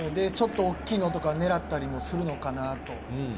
ちょっと大きいのとか狙ったりするのかなと。